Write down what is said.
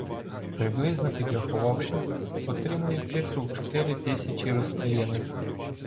Приблизно підрахувавши, отримую цифру в чотири тисячі розстріляних.